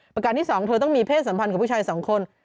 ประการที่สองเธอต้องมีเพศสัมพันธ์กับผู้ชายสองคน